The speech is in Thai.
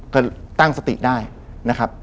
ก็ตั้งสติได้นะครับ